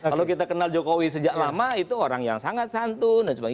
kalau kita kenal jokowi sejak lama itu orang yang sangat santun dan sebagainya